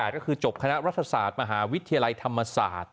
ก็คือจบคณะรัฐศาสตร์มหาวิทยาลัยธรรมศาสตร์